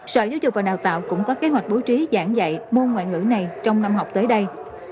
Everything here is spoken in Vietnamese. sở giáo dục và đào tạo cũng có kế hoạch bố trí giảng dạy môn ngoại ngữ này trong năm học tới đây